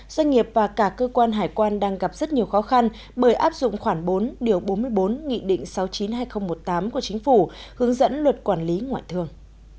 doanh nghiệp và cả cơ quan hải quan đang gặp rất nhiều khó khăn bởi áp dụng khoảng bốn điều bốn mươi bốn nghị định sáu mươi chín hai nghìn một mươi tám của chính phủ hướng dẫn luật quản lý ngoại thương